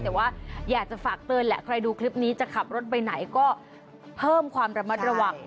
แต่ว่าอยากจะฝากเตือนแหละใครดูคลิปนี้จะขับรถไปไหนก็เพิ่มความระมัดระวัง